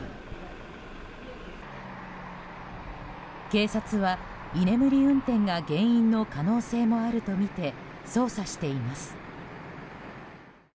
警察は、居眠り運転が原因の可能性もあるとみて捜査しています。